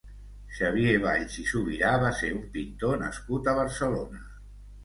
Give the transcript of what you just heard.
Xavier Valls i Subirà va ser un pintor nascut a Barcelona.